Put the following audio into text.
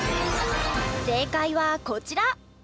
正解はこちら。